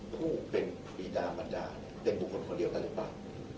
ผู้เป็นปีดาบรรดาเป็นบุคคลคนเดียวกันหรือเปล่า